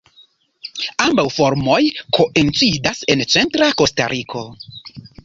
Ambaŭ formoj koincidas en centra Kostariko.